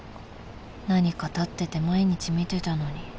何か立ってて毎日見てたのに